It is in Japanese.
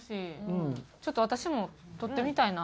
ちょっと私も撮ってみたいな。